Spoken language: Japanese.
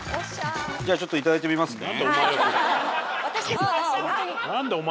じゃあちょっといただいてみますね。